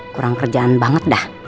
kurang kerjaan banget dah